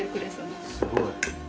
すごい。